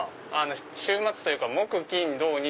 週末というか木金土日